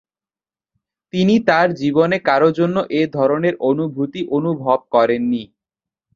তিনি তার জীবনে কারো জন্য এ ধরনের অনুভূতি অনুভব করেননি।